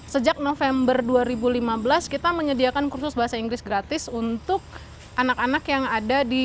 sejak november dua ribu lima belas kita menyediakan kursus bahasa inggris gratis untuk anak anak yang ada di